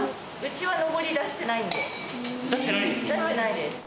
出してないんですね。